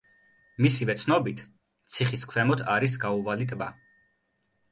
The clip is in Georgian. მისივე ცნობით ციხის ქვემოთ არის გაუვალი ტბა.